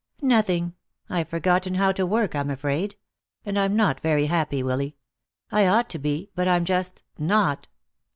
"Nothing. I've forgotten how to work, I'm afraid. And I'm not very happy, Willy. I ought to be, but I'm just not."